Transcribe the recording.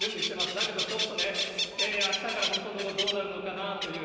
だけどちょっとね、あしたから本当のとこ、どうなるのかな？